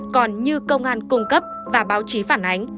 còn như công an cung cấp và báo chí phản ánh